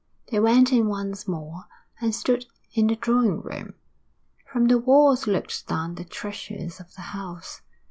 They went in once more and stood in the drawing room. From the walls looked down the treasures of the house.